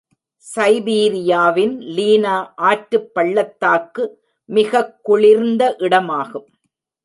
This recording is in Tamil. சைபீரியாவின் லீனா ஆற்றுப் பள்ளத்தாக்கு மிகக் குளிர்ந்த இடமாகும்.